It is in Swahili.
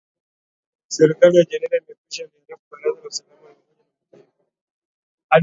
serikali ya nigeria imekwisha liarifu baraza la usalama la umoja wa mataifa